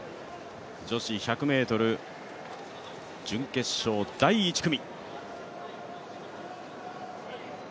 女子１００ｍ、準決勝、第１組。